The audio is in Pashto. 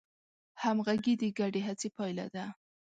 همغږي د ګډې هڅې پایله ده.